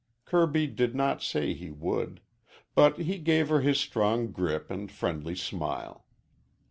Kirby did not say he would. But he gave her his strong grip and friendly smile.